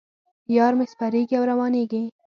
یار مې سپریږي او روانېږي.